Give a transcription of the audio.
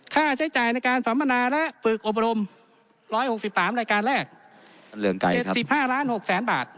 ค่าใช้จ่ายในการสามบรรณาและฝึกอบรม๑๖๓รายการแรก